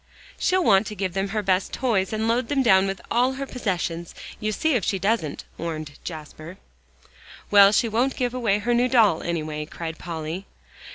"She'll want to give them her best toys and load them down with all her possessions. You see if she doesn't," warned Jasper. "Well, she won't give away her new doll, anyway," cried Polly.